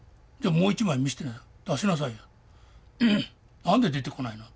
「何で出てこないの？